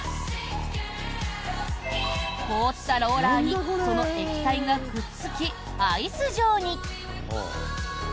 凍ったローラーにその液体がくっつきアイス状に。